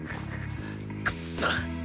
クソッ！